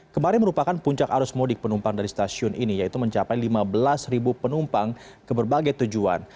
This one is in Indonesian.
kemarin merupakan puncak arus mudik penumpang dari stasiun ini yaitu mencapai lima belas penumpang ke berbagai tujuan